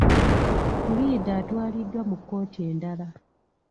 Puliida atwaliddwa mu kkooti endala.